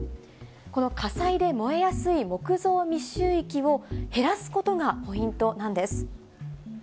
この火災で燃えやすい木造密集域を減らすことがポイントなんです。